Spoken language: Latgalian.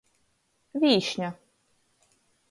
Vīšņa.